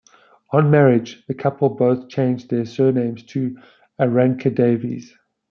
On marriage the couple both changed their surnames to Irranca-Davies.